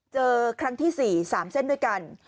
เจอครั้งที่๔๓เส้นด้วยกัน